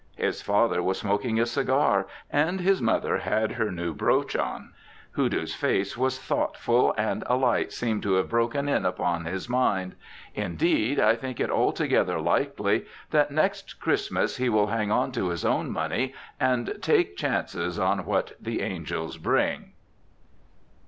His father was smoking a cigar, and his mother had her new brooch on. Hoodoo's face was thoughtful, and a light seemed to have broken in upon his mind. Indeed, I think it altogether likely that next Christmas he will hang on to his own money and take chances on what the angels bring.